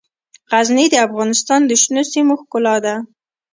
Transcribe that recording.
غزني د افغانستان د شنو سیمو ښکلا ده.